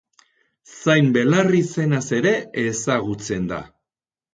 Zain-belar izenaz ere ezagutzen da.